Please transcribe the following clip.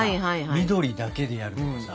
緑だけでやるとかさ。